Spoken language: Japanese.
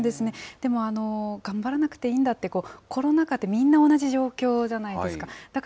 でも頑張らなくていいんだって、コロナ禍ってみんな同じ状況じゃないですか。